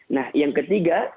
nah yang ketiga